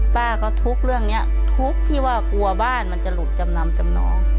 ป้าก็ทุกข์เรื่องนี้ทุกข์ที่ว่ากลัวบ้านมันจะหลุดจำนำจำนอง